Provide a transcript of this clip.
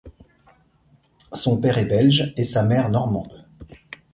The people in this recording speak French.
Son père est belge et sa mère normande.